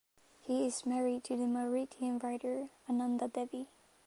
He is married to the Mauritian writer Ananda Devi.